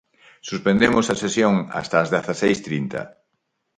Suspendemos a sesión hasta as dezaseis trinta.